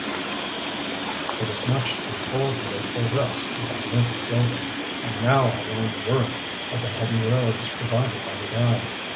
V It is much too cold here for rest without winter clothing; and now I learn the worth of the heavy robes provided by the guides.